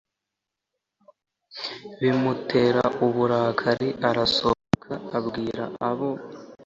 bimutera uburakari Arasohoka abwira abo bazanye